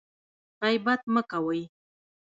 غیبت مه کوئ